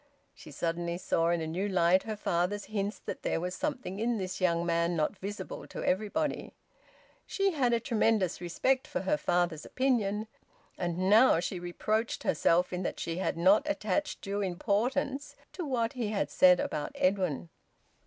She suddenly saw in a new light her father's hints that there was something in this young man not visible to everybody. She had a tremendous respect for her father's opinion, and now she reproached herself in that she had not attached due importance to what he had said about Edwin.